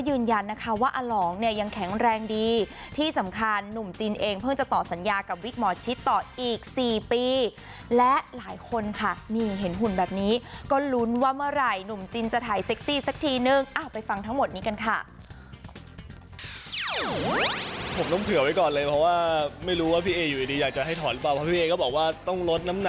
รุ้นว่าเมื่อไหร่หนุ่มจินจะถ่ายเซ็กซี่สักทีนึงไปฟังทั้งหมดนี้กันค่ะ